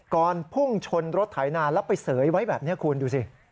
ก่อนพุ่งชนรถไถนาแล้วไปเสยไว้แบบนี้คุณดูสิ